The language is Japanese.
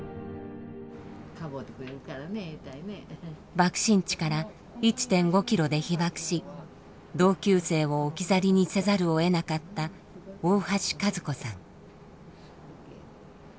爆心地から１．５ｋｍで被爆し同級生を置き去りにせざるをえなかった大橋和子さん。